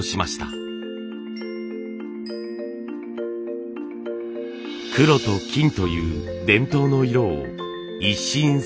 黒と金という伝統の色を一新させたのです。